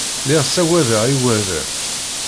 Lliɣ ssagadeɣ igerdan.